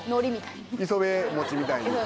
磯辺餅みたいに。